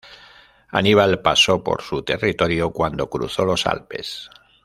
Aníbal pasó por su territorio cuando cruzó los Alpes.